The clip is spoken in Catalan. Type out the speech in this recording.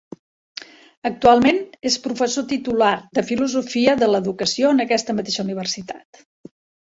Actualment és professor titular de Filosofia de l'Educació en aquesta mateixa universitat.